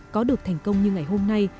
có được thành công như ngày hôm nay